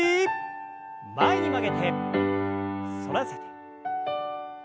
前に曲げて反らせて。